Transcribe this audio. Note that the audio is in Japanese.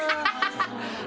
ハハハハ！